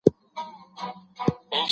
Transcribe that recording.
تاسو څنګه کولای سئ د نورو مرسته وکړئ؟